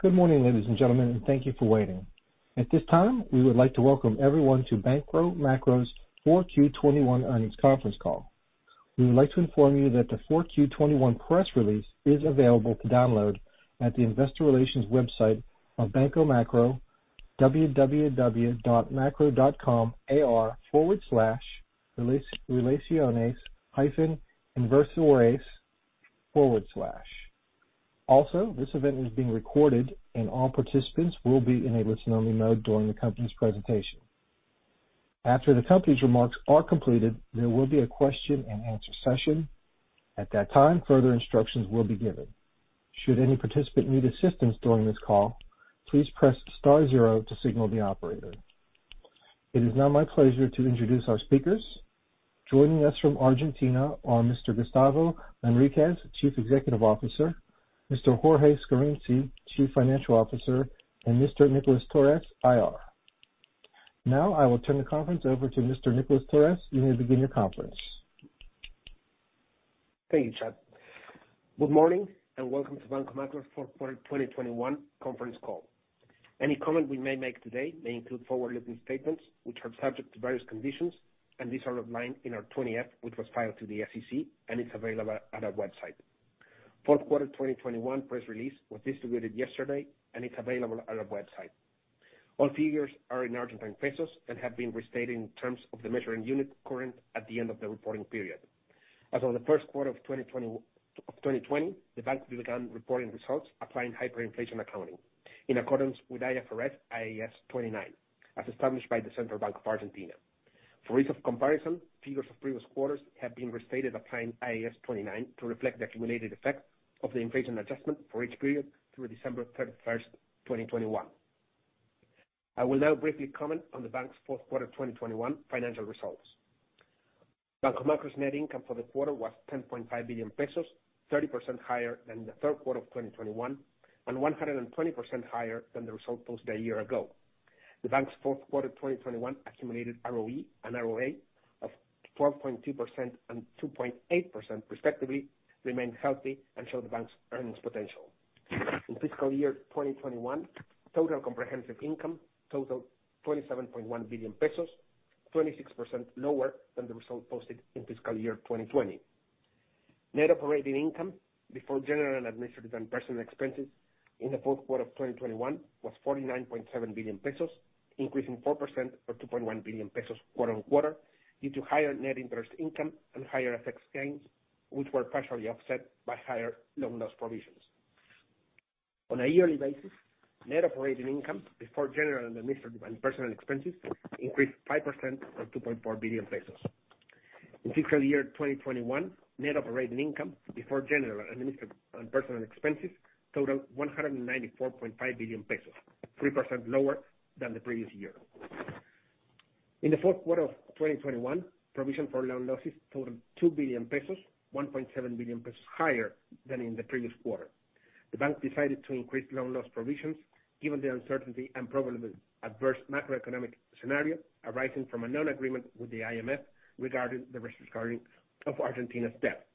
Good morning, ladies and gentlemen, and thank you for waiting. At this time, we would like to welcome everyone to Banco Macro's 4Q 2021 earnings conference call. We would like to inform you that the 4Q 2021 press release is available to download at the investor relations website of Banco Macro, www.macro.com.ar/relaciones-inversores/. Also, this event is being recorded and all participants will be in a listen only mode during the company's presentation. After the company's remarks are completed, there will be a question and answer session. At that time, further instructions will be given. Should any participant need assistance during this call, please press star zero to signal the operator. It is now my pleasure to introduce our speakers. Joining us from Argentina are Mr. Gustavo Manriquez, Chief Executive Officer, Mr. Jorge Scarinci, Chief Financial Officer, and Mr. Nicolás Torres, IR. Now I will turn the conference over to Mr. Nicolás Torres. You may begin your conference. Thank you, Chad. Good morning and welcome to Banco Macro's fourth quarter 2021 conference call. Any comment we may make today may include forward-looking statements which are subject to various conditions, and these are outlined in our 20-F, which was filed to the SEC and it's available at our website. Fourth quarter 2021 press release was distributed yesterday, and it's available at our website. All figures are in Argentine pesos and have been restated in terms of the measuring unit current at the end of the reporting period. As of the first quarter of 2020, the bank began reporting results applying hyperinflation accounting in accordance with IFRS IAS 29, as established by the Central Bank of Argentina. For ease of comparison, figures of previous quarters have been restated applying IAS 29 to reflect the accumulated effect of the inflation adjustment for each period through December 31st, 2021. I will now briefly comment on the bank's fourth quarter 2021 financial results. Banco Macro's net income for the quarter was 10.5 billion pesos, 30% higher than the third quarter of 2021, and 120% higher than the result posted a year ago. The bank's fourth quarter 2021 accumulated ROE and ROA of 12.2% and 2.8% respectively, remain healthy and show the bank's earnings potential. In fiscal year 2021, total comprehensive income totaled 27.1 billion pesos, 26% lower than the result posted in fiscal year 2020. Net operating income before general and administrative and personal expenses in the fourth quarter of 2021 was 49.7 billion pesos, increasing 4% or 2.1 billion pesos quarter-on-quarter due to higher net interest income and higher FX gains, which were partially offset by higher loan loss provisions. On a yearly basis, net operating income before general and administrative and personal expenses increased 5% or 2.4 billion pesos. In fiscal year 2021, net operating income before general and administrative and personal expenses totaled 194.5 billion pesos, 3% lower than the previous year. In the fourth quarter of 2021, provision for loan losses totaled 2 billion pesos, 1.7 billion pesos higher than in the previous quarter. The bank decided to increase loan loss provisions given the uncertainty and probable adverse macroeconomic scenario arising from a non-agreement with the IMF regarding the rescheduling of Argentina's debt.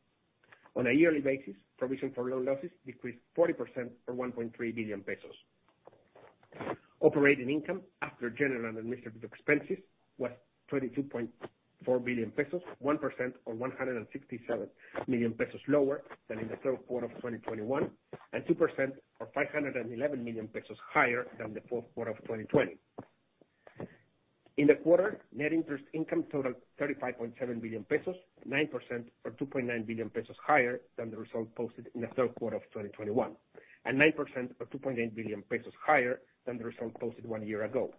On a yearly basis, provision for loan losses decreased 40% or 1.3 billion pesos. Operating income after general and administrative expenses was 22.4 billion pesos, 1% or 167 million pesos lower than in the third quarter of 2021, and 2% or 511 million pesos higher than the fourth quarter of 2020. In the quarter, net interest income totaled 35.7 billion pesos, 9% or 2.9 billion pesos higher than the result posted in the third quarter of 2021, and 9% or 2.8 billion pesos higher than the result posted one year ago.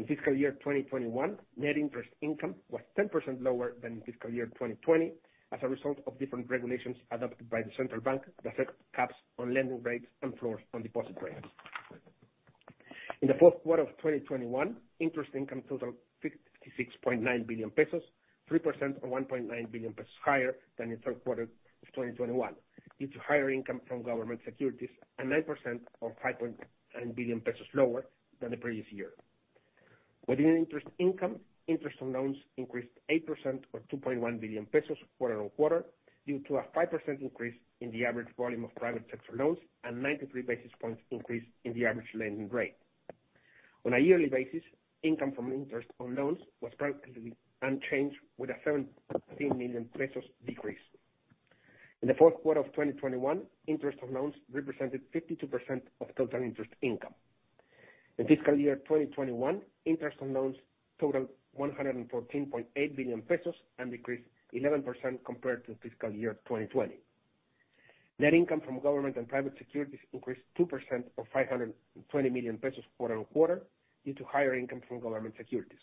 In fiscal year 2021, net interest income was 10% lower than in fiscal year 2020 as a result of different regulations adopted by the central bank that set caps on lending rates and floors on deposit rates. In the fourth quarter of 2021, interest income totaled 56.9 billion pesos, 3% or 1.9 billion pesos higher than the third quarter of 2021 due to higher income from government securities, and 9% or 5.9 billion pesos lower than the previous year. Within interest income, interest on loans increased 8% or 2.1 billion pesos quarter-on-quarter due to a 5% increase in the average volume of private sector loans and 93 basis points increase in the average lending rate. On a yearly basis, income from interest on loans was practically unchanged with a 17 million pesos decrease. In the fourth quarter of 2021, interest on loans represented 52% of total interest income. In fiscal year 2021, interest on loans totaled 114.8 billion pesos and decreased 11% compared to fiscal year 2020. Net income from government and private securities increased 2% or 520 million pesos quarter-on-quarter due to higher income from government securities.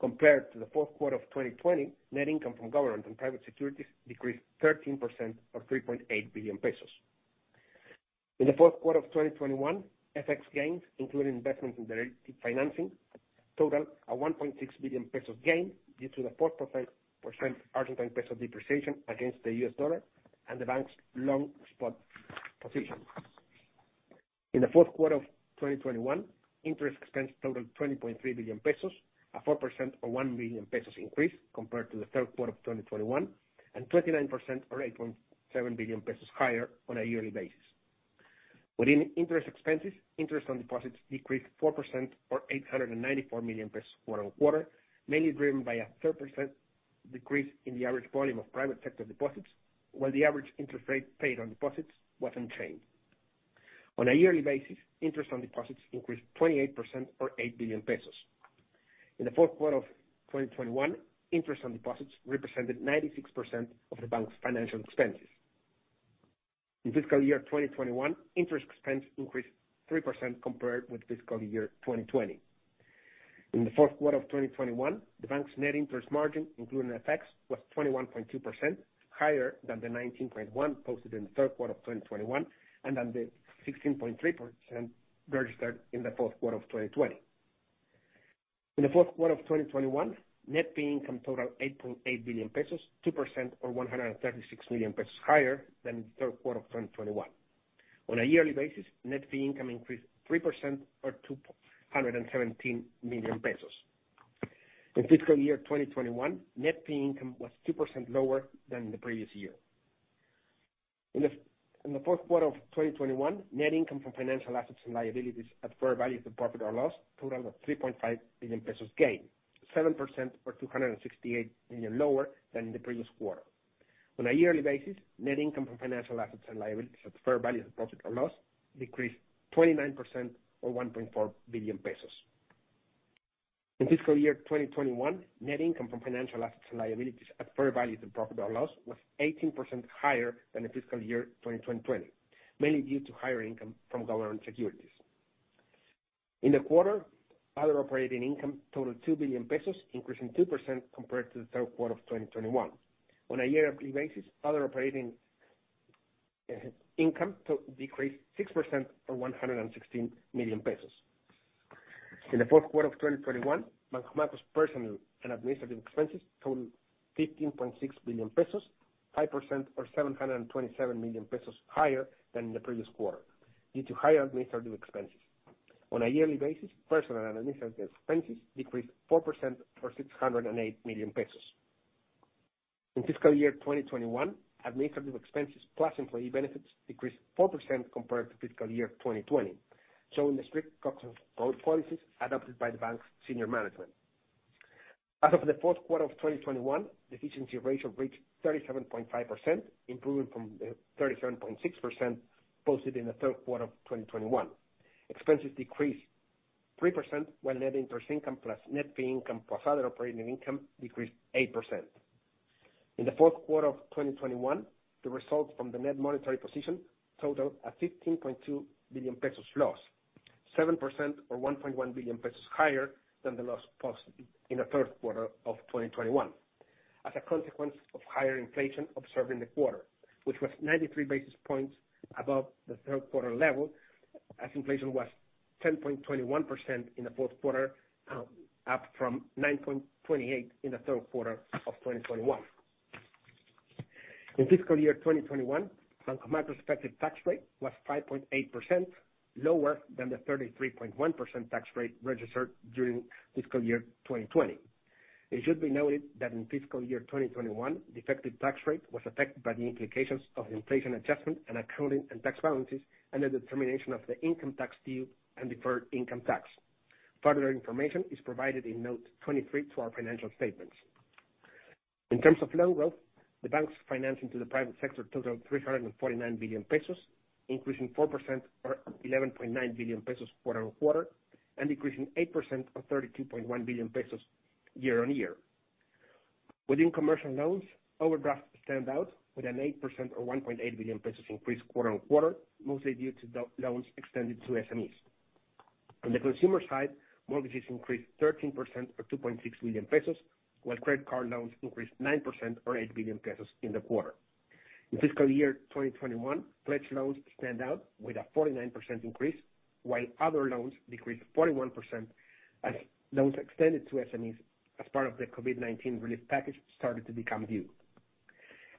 Compared to the fourth quarter of 2020, net income from government and private securities decreased 13% or 3.8 billion pesos. In the fourth quarter of 2021, FX gains, including investments in derivative financing, totaled a 1.6 billion pesos gain due to the 4% Argentine peso depreciation against the U.S. dollar and the bank's long spot position. In the fourth quarter of 2021, interest expense totaled 20.3 billion pesos. A 4% or 1 billion pesos increase compared to the third quarter of 2021, and 29% or 8.7 billion pesos higher on a yearly basis. Within interest expenses, interest on deposits decreased 4% or 894 million pesos quarter-over-quarter, mainly driven by a 3% decrease in the average volume of private sector deposits, while the average interest rate paid on deposits was unchanged. On a yearly basis, interest on deposits increased 28% or 8 billion pesos. In the fourth quarter of 2021, interest on deposits represented 96% of the bank's financial expenses. In fiscal year 2021, interest expense increased 3% compared with fiscal year 2020. In the fourth quarter of 2021, the bank's net interest margin, including FX, was 21.2% higher than the 19.1% posted in the third quarter of 2021, and then the 16.3% registered in the fourth quarter of 2020. In the fourth quarter of 2021, net fee income totaled 8.8 billion pesos, 2% or 136 million pesos higher than the third quarter of 2021. On a yearly basis, net fee income increased 3% or 217 million pesos. In fiscal year 2021, net fee income was 2% lower than the previous year. In the fourth quarter of 2021, net income from financial assets and liabilities at fair value of the profit or loss totaled 3.5 billion pesos gain, 7% or 268 million lower than the previous quarter. On a yearly basis, net income from financial assets and liabilities at fair value of the profit or loss decreased 29% or 1.4 billion pesos. In fiscal year 2021, net income from financial assets and liabilities at fair values and profit or loss was 18% higher than the fiscal year 2020, mainly due to higher income from government securities. In the quarter, other operating income totaled 2 billion pesos, increasing 2% compared to the third quarter of 2021. On a yearly basis, other operating income decreased 6% or 116 million pesos. In the fourth quarter of 2021, Banco Macro's personnel and administrative expenses totaled 15.6 billion pesos, 5% or 727 million pesos higher than the previous quarter due to higher administrative expenses. On a yearly basis, personnel and administrative expenses decreased 4% or 608 million pesos. In fiscal year 2021, administrative expenses plus employee benefits decreased 4% compared to fiscal year 2020, showing the strict cost control policies adopted by the bank's senior management. As of the fourth quarter of 2021, the efficiency ratio reached 37.5%, improving from the 37.6% posted in the third quarter of 2021. Expenses decreased 3%, while net interest income plus net fee income plus other operating income decreased 8%. In the fourth quarter of 2021, the results from the net monetary position totaled a 15.2 billion pesos loss, 7% or 1.1 billion pesos higher than the loss posted in the third quarter of 2021 as a consequence of higher inflation observed in the quarter, which was 93 basis points above the third quarter level, as inflation was 10.21% in the fourth quarter, up from 9.28% in the third quarter of 2021. In fiscal year 2021, Banco Macro effective tax rate was 5.8% lower than the 33.1% tax rate registered during fiscal year 2020. It should be noted that in fiscal year 2021, the effective tax rate was affected by the implications of inflation adjustment and accounting and tax balances, and the determination of the income tax due and deferred income tax. Further information is provided in note 23 to our financial statements. In terms of loan growth, the bank's financing to the private sector totaled 349 billion pesos, increasing 4% or 11.9 billion pesos quarter-on-quarter, and decreasing 8% or 32.1 billion pesos year-on-year. Within commercial loans, overdraft stand out with an 8% or 1.8 billion pesos increase quarter-on-quarter, mostly due to loans extended to SMEs. On the consumer side, mortgages increased 13% or 2.6 million pesos, while credit card loans increased 9% or 8 billion pesos in the quarter. In fiscal year 2021, pledged loans stand out with a 49% increase, while other loans decreased 41% as loans extended to SMEs as part of the COVID-19 relief package started to become due.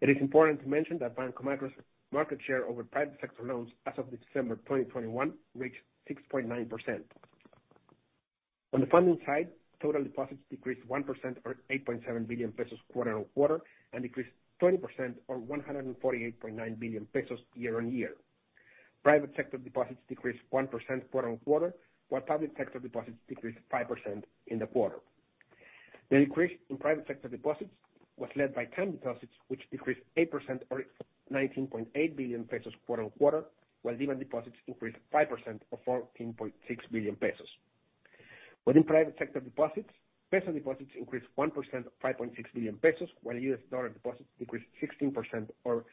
It is important to mention that Banco Macro's market share over private sector loans as of December 2021, reached 6.9%. On the funding side, total deposits decreased 1% or 8.7 billion pesos quarter-on-quarter, and decreased 20% or 148.9 billion pesos year-on-year. Private sector deposits decreased 1% quarter-on-quarter, while public sector deposits decreased 5% in the quarter. The increase in private sector deposits was led by term deposits, which decreased 8% or 19.8 billion pesos quarter-on-quarter, while demand deposits increased 5% or 14.6 billion pesos. Within private sector deposits, peso deposits increased 1%, or 5.6 billion pesos, while U.S. dollar deposits increased 16% or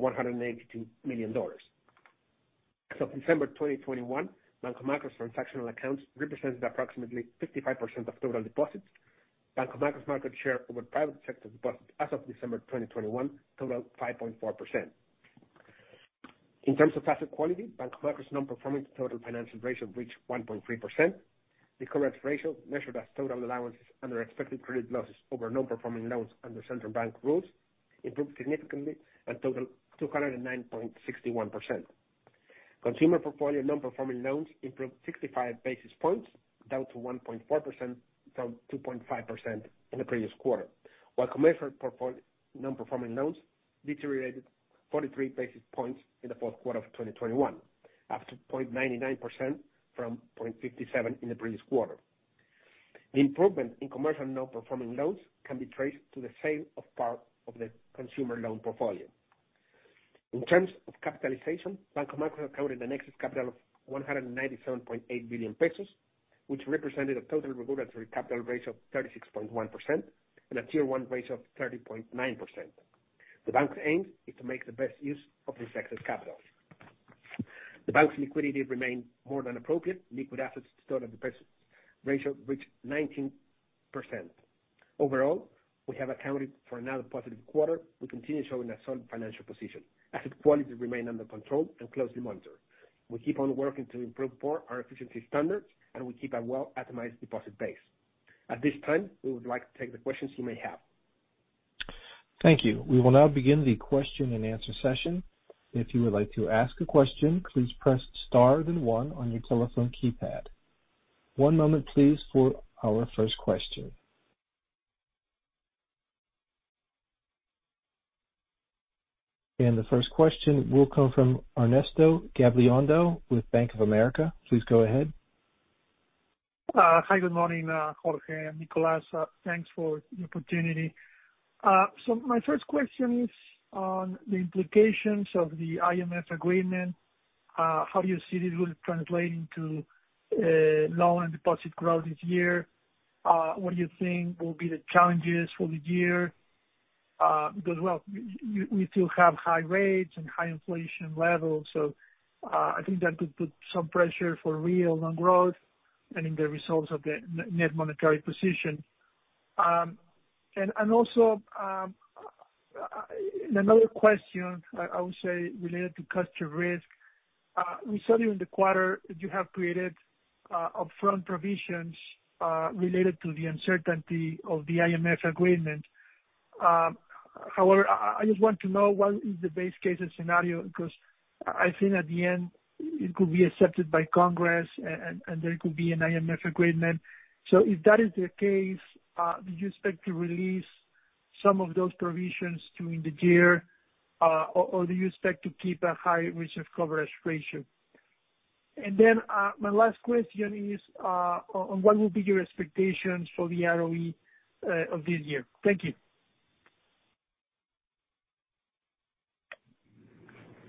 $182 million. As of December 2021, Banco Macro's transactional accounts represented approximately 55% of total deposits. Banco Macro's market share over private sector deposits as of December 2021 totaled 5.4%. In terms of asset quality, Banco Macro's non-performing total financial ratio reached 1.3%. The coverage ratio, measured as total allowances under expected credit losses over non-performing loans under central bank rules, improved significantly at total 209.61%. Consumer portfolio nonperforming loans improved 65 basis points down to 1.4% from 2.5% in the previous quarter, while commercial nonperforming loans deteriorated 43 basis points in the fourth quarter of 2021, up to 0.99% from 0.57% in the previous quarter. The improvement in commercial nonperforming loans can be traced to the sale of part of the consumer loan portfolio. In terms of capitalization, Banco Macro counted an excess capital of 197.8 billion pesos, which represented a total regulatory capital ratio of 36.1% and a Tier 1 ratio of 30.9%. The bank's aim is to make the best use of this excess capital. The bank's liquidity remained more than appropriate. Liquid assets to total deposits ratio reached 19%. Overall, we have accounted for another positive quarter. We continue showing a sound financial position. Asset quality remained under control and closely monitored. We keep on working to improve more our efficiency standards, and we keep a well-itemized deposit base. At this time, we would like to take the questions you may have. Thank you. We will now begin the question and answer session. If you would like to ask a question, please press star then one on your telephone keypad. One moment, please, for our first question. The first question will come from Ernesto Gabilondo with Bank of America. Please go ahead. Hi, good morning, Jorge and Nicolás. Thanks for the opportunity. My first question is on the implications of the IMF agreement. How do you see this will translate into loan and deposit growth this year? What do you think will be the challenges for the year? Because you still have high rates and high inflation levels, I think that could put some pressure for real on growth and in the results of the net monetary position. Another question, I would say, related to customer risk, we saw you in the quarter you have created upfront provisions related to the uncertainty of the IMF agreement. However, I just want to know what is the base case scenario, because I think at the end it could be accepted by Congress and there could be an IMF agreement. If that is the case, do you expect to release some of those provisions during the year, or do you expect to keep a high reserve coverage ratio? My last question is on what will be your expectations for the ROE of this year. Thank you.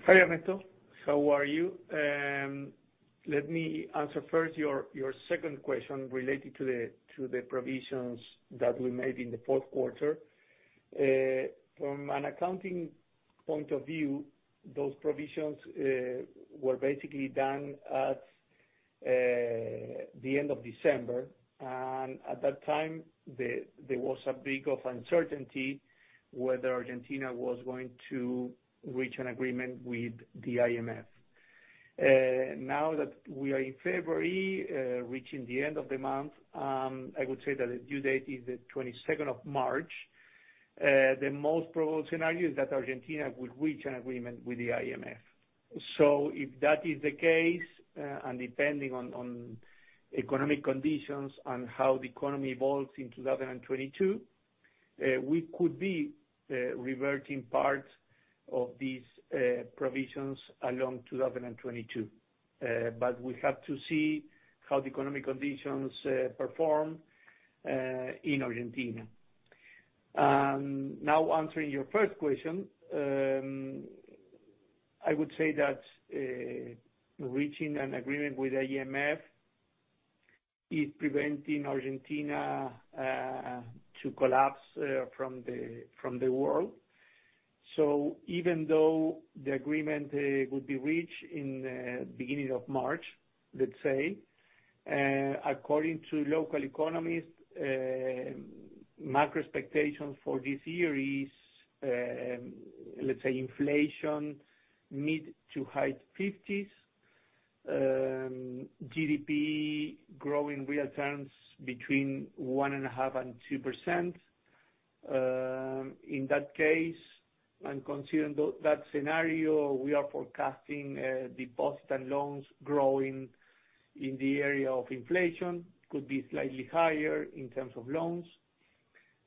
Hi, Ernesto. How are you? Let me answer first your second question related to the provisions that we made in the fourth quarter. From an accounting point of view, those provisions were basically done at the end of December, and at that time there was a bit of uncertainty whether Argentina was going to reach an agreement with the IMF. Now that we are in February, reaching the end of the month, I would say that the due date is the twenty-second of March. The most probable scenario is that Argentina would reach an agreement with the IMF. If that is the case, and depending on economic conditions and how the economy evolves in 2022, we could be reverting parts of these provisions along 2022. We have to see how the economic conditions perform in Argentina. Now answering your first question, I would say that reaching an agreement with IMF is preventing Argentina to collapse from the world. Even though the agreement would be reached in beginning of March, let's say, according to local economists, macro expectations for this year is, let's say, inflation mid- to high-50s. GDP growth in real terms between 1.5% and 2%. In that case, and considering that scenario, we are forecasting deposits and loans growing in the area of inflation, could be slightly higher in terms of loans.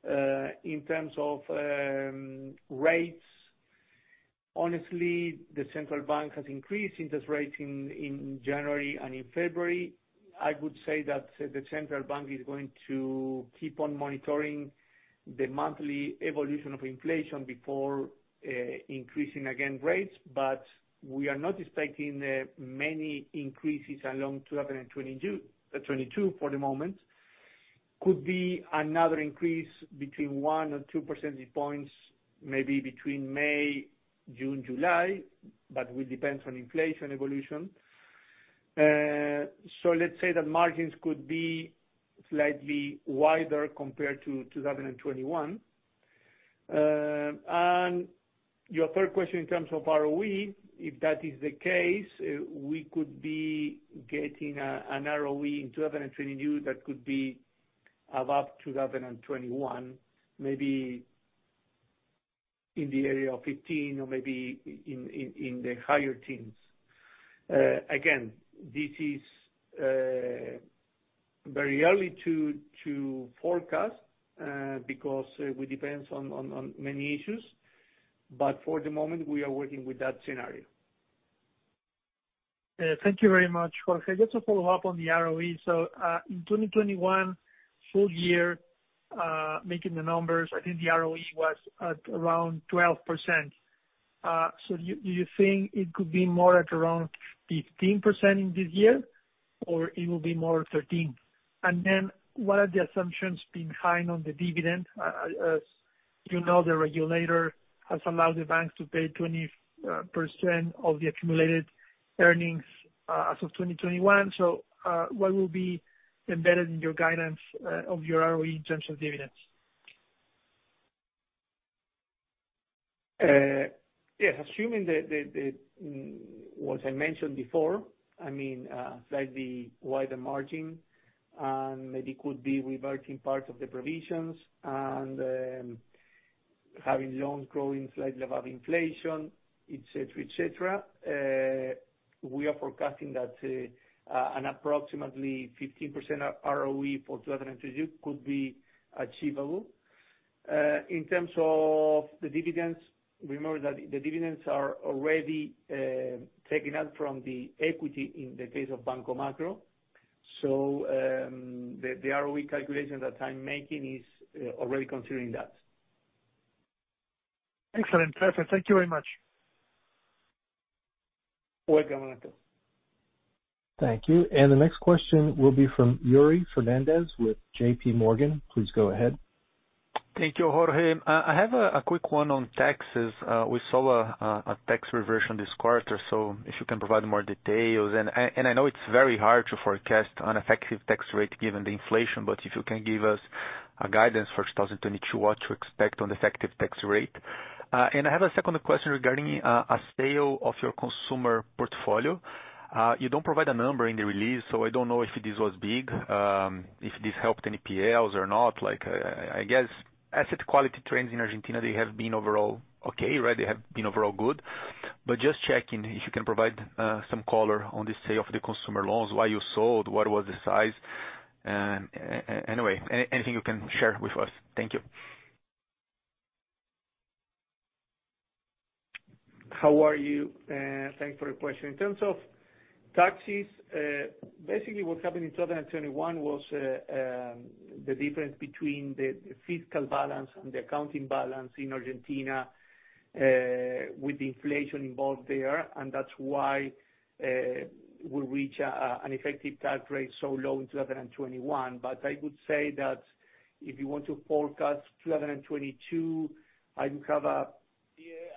In terms of rates, honestly, the Central Bank has increased interest rates in January and in February. I would say that the central bank is going to keep on monitoring the monthly evolution of inflation before increasing again rates. We are not expecting many increases in 2022 for the moment. Could be another increase between 1 percentage points and 2 percentage points, maybe between May, June, July, but it will depend on inflation evolution. Let's say that margins could be slightly wider compared to 2021. Your third question in terms of ROE, if that is the case, we could be getting an ROE in 2022 that could be above 2021, maybe in the area of 15% or maybe in the higher teens. Again, this is very early to forecast because it depends on many issues, but for the moment, we are working with that scenario. Thank you very much, Jorge. Just to follow up on the ROE. In 2021 full year, making the numbers, I think the ROE was at around 12%. Do you think it could be more at around 15% in this year, or it will be more 13%? And then what are the assumptions behind on the dividend? As you know, the regulator has allowed the banks to pay 20% of the accumulated earnings as of 2021. What will be embedded in your guidance of your ROE in terms of dividends? Yes. Assuming that what I mentioned before, I mean, slightly wider margin and maybe could be reverting parts of the provisions and having loans growing slightly above inflation, et cetera, et cetera. We are forecasting that an approximately 15% ROE for 2022 could be achievable. In terms of the dividends, remember that the dividends are already taken out from the equity in the case of Banco Macro. The ROE calculation that I'm making is already considering that. Excellent. Perfect. Thank you very much. Welcome. Thank you. The next question will be from Yuri Fernandes with JPMorgan. Please go ahead. Thank you, Jorge. I have a quick one on taxes. We saw a tax provision this quarter, so if you can provide more details. I know it's very hard to forecast an effective tax rate given the inflation, but if you can give us a guidance for 2022, what to expect on effective tax rate. I have a second question regarding a sale of your consumer portfolio. You don't provide a number in the release, so I don't know if this was big, if this helped any NPLs or not. Like, I guess asset quality trends in Argentina, they have been overall okay, right? They have been overall good. Just checking if you can provide some color on the sale of the consumer loans, why you sold, what was the size, anyway, anything you can share with us. Thank you. How are you? Thanks for your question. In terms of taxes, basically what happened in 2021 was the difference between the fiscal balance and the accounting balance in Argentina, with inflation involved there, and that's why we reach an effective tax rate so low in 2021. I would say that if you want to forecast 2022, I would have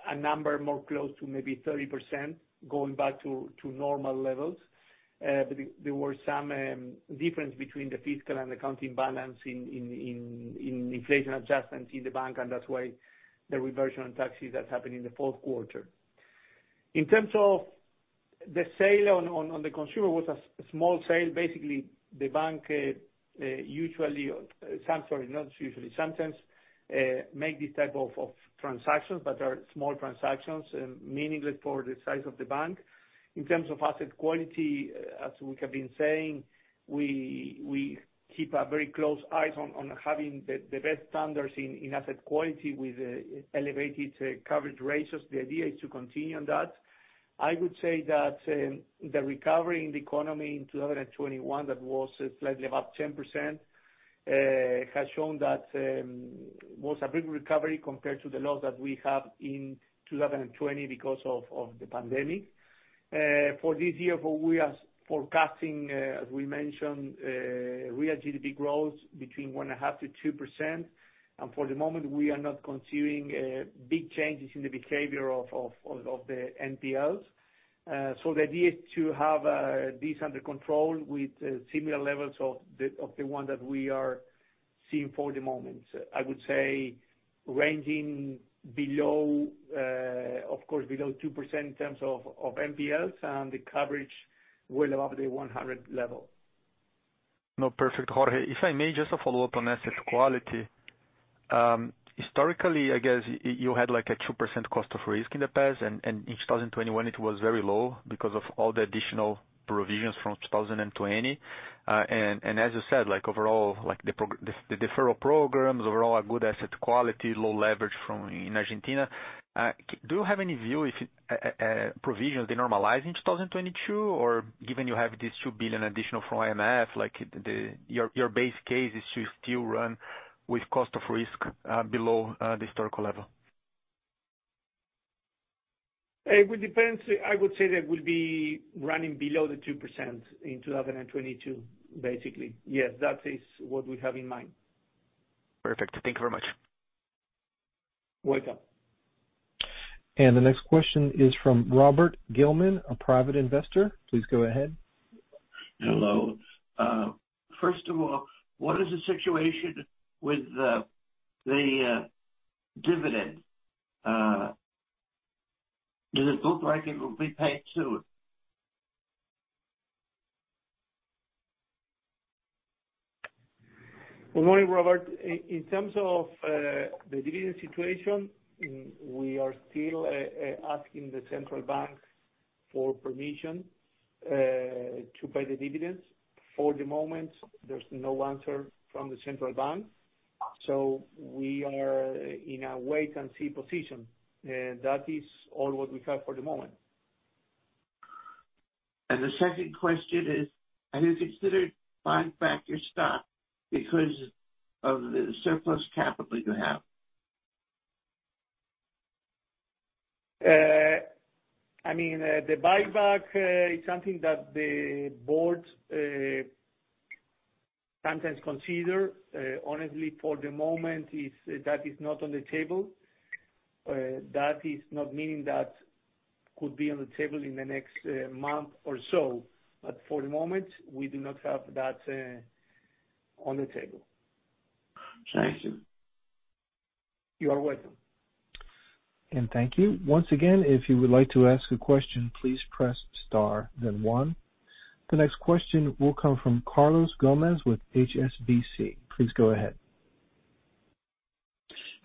a number more close to maybe 30% going back to normal levels. There were some difference between the fiscal and accounting balance in inflation adjustments in the bank, and that's why the reversion on taxes that happened in the fourth quarter. In terms of the sale on the consumer, was a small sale. Basically, the bank sometimes make this type of transactions, but are small transactions, meaningless for the size of the bank. In terms of asset quality, as we have been saying, we keep a very close eyes on having the best standards in asset quality with elevated coverage ratios. The idea is to continue on that. I would say that the recovery in the economy in 2021, that was slightly above 10%, has shown that was a big recovery compared to the loss that we have in 2020 because of the pandemic. For this year, what we are forecasting, as we mentioned, real GDP growth between 1.5%-2%. For the moment, we are not considering big changes in the behavior of the NPLs. The idea is to have this under control with similar levels of the one that we are seeing for the moment. I would say ranging below, of course, below 2% in terms of NPLs and the coverage well above the 100 level. No, perfect, Jorge. If I may just a follow-up on asset quality. Historically, I guess you had like a 2% cost of risk in the past, and in 2021 it was very low because of all the additional provisions from 2020. As you said, like overall, like the deferral programs, overall a good asset quality, low leverage from in Argentina. Do you have any view if provisions they normalize in 2022, or given you have this [$2 billion] additional from IMF, like your base case is to still run with cost of risk below the historical level? It will depend. I would say that we'll be running below the 2% in 2022, basically. Yes, that is what we have in mind. Perfect. Thank you very much. Welcome. The next question is from Robert Gilman, a Private Investor. Please go ahead. Hello. First of all, what is the situation with the dividend? Does it look like it will be paid too? Good morning, Robert. In terms of the dividend situation, we are still asking the central bank for permission to pay the dividends. For the moment, there's no answer from the central bank, so we are in a wait and see position. That is all what we have for the moment. The second question is, have you considered buying back your stock because of the surplus capital you have? I mean, the buyback is something that the board sometimes consider. Honestly, for the moment, it's not on the table. That does not mean that could be on the table in the next month or so, but for the moment, we do not have that on the table. Thank you. You are welcome. Thank you. Once again, if you would like to ask a question, please press star then one. The next question will come from Carlos Gomez with HSBC. Please go ahead.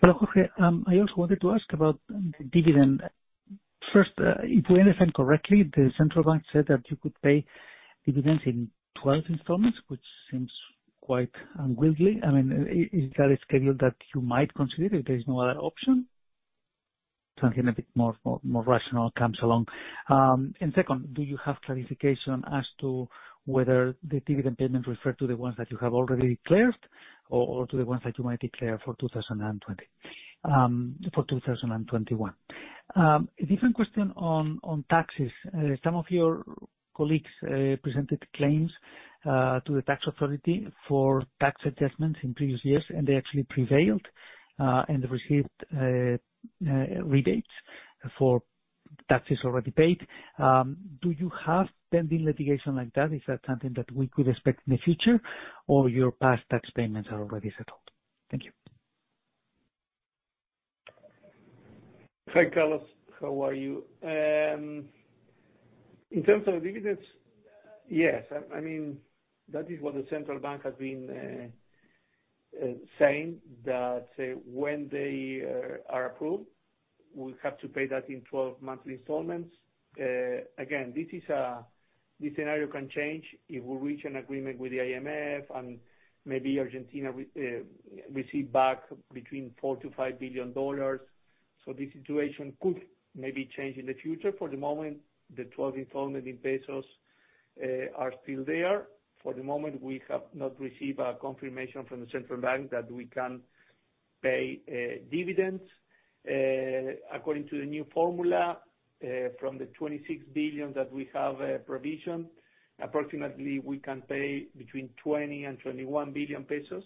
Hello, Jorge. I also wanted to ask about the dividend. First, if we understand correctly, the Central Bank said that you could pay dividends in 12 installments, which seems quite unwieldy. I mean, is that a schedule that you might consider if there is no other option? Something a bit more rational comes along. Second, do you have clarification as to whether the dividend payments refer to the ones that you have already declared or to the ones that you might declare for 2020, for 2021? A different question on taxes. Some of your colleagues presented claims to the tax authority for tax adjustments in previous years, and they actually prevailed and received rebates for taxes already paid. Do you have pending litigation like that? Is that something that we could expect in the future or your past tax payments are already settled? Thank you. Hi, Carlos. How are you? In terms of dividends, yes, I mean that is what the Central Bank has been saying, that when they are approved, we have to pay that in 12 monthly installments. Again, this scenario can change if we reach an agreement with the IMF and maybe Argentina receives back between $4 billion-$5 billion. The situation could maybe change in the future. For the moment, the 12 installments in pesos are still there. For the moment, we have not received our confirmation from the Central Bank that we can pay dividends. According to the new formula, from the 26 billion that we have a provision, approximately we can pay between 20 billion and 21 billion pesos.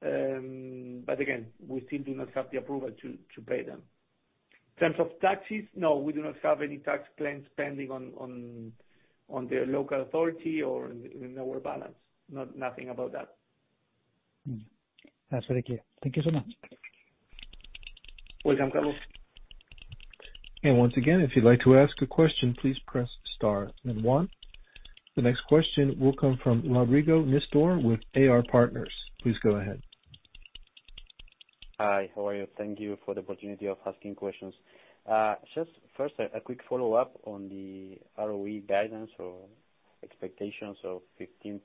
Again, we still do not have the approval to pay them. In terms of taxes, no, we do not have any tax claims pending on the local authority or in our balance. Nothing about that. That's very clear. Thank you so much. You're welcome, Carlos. The next question will come from Rodrigo Nistor with AR Partners. Please go ahead. Hi, how are you? Thank you for the opportunity of asking questions. Just first a quick follow-up on the ROE guidance or expectations of 15%,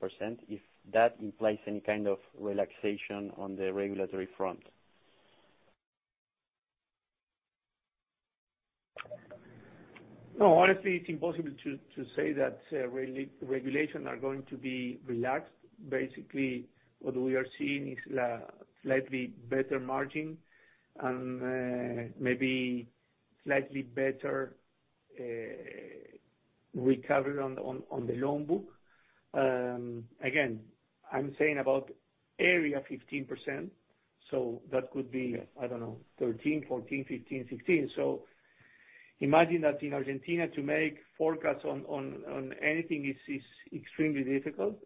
if that implies any kind of relaxation on the regulatory front? No, honestly, it's impossible to say that regulations are going to be relaxed. Basically, what we are seeing is slightly better margin and maybe slightly better recovery on the loan book. Again, I'm saying about [ROE] 15%, so that could be, I don't know, 13%, 14%, 15%, 16%. Imagine that in Argentina to make forecasts on anything is extremely difficult.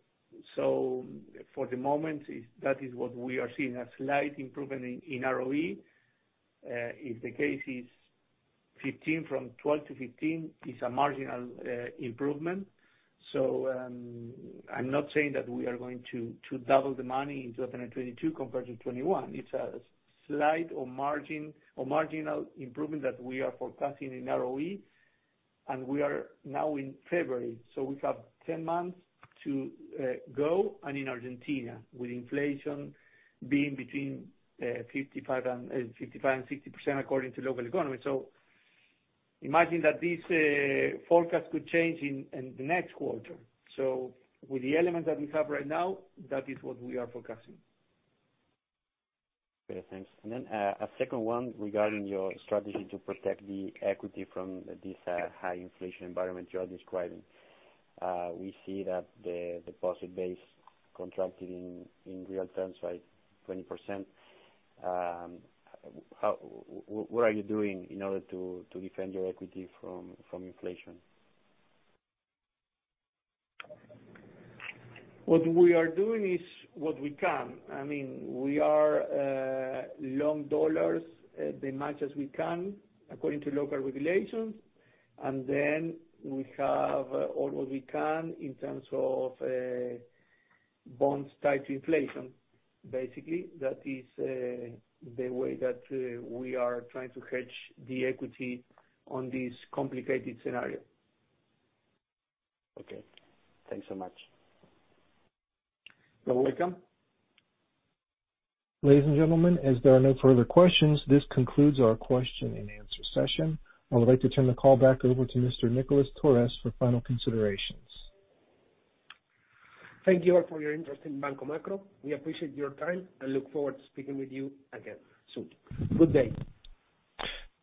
For the moment, that is what we are seeing, a slight improvement in ROE. If the case is 15%, from 12%-15%, it's a marginal improvement. I'm not saying that we are going to double the money in 2022 compared to 2021. It's a slight or marginal improvement that we are forecasting in ROE. We are now in February, so we have 10 months to go, and in Argentina with inflation being between 55% and 60% according to local economy. Imagine that this forecast could change in the next quarter. With the elements that we have right now, that is what we are forecasting. Okay, thanks. A second one regarding your strategy to protect the equity from this high inflation environment you are describing. We see that the deposit base contracted in real terms by 20%. What are you doing in order to defend your equity from inflation? What we are doing is what we can. I mean, we are lending dollars as much as we can according to local regulations, and then we have all what we can in terms of bonds tied to inflation. Basically, that is the way that we are trying to hedge the equity on this complicated scenario. Okay. Thanks so much. You're welcome. Ladies and gentlemen, as there are no further questions, this concludes our question and answer session. I would like to turn the call back over to Mr. Nicolás Torres for final considerations. Thank you all for your interest in Banco Macro. We appreciate your time and look forward to speaking with you again soon. Good day.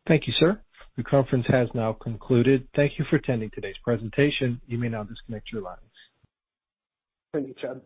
Thank you, sir. The conference has now concluded. Thank you for attending today's presentation. You may now disconnect your lines. Thank you, Chad.